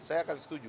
saya akan setuju